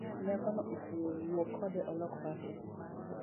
Nyakono ofuwo wuokode olok pache.